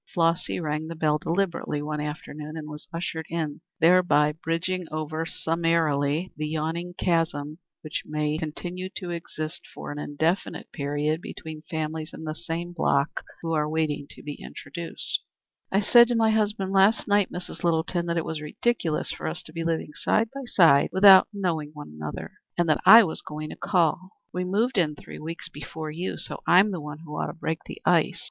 Flossy rang the bell deliberately one afternoon and was ushered in, thereby bridging over summarily the yawning chasm which may continue to exist for an indefinite period between families in the same block who are waiting to be introduced. "I said to my husband last night, Mrs. Littleton, that it was ridiculous for us to be living side by side without knowing one another, and that I was going to call. We moved in three weeks before you, so I'm the one who ought to break the ice.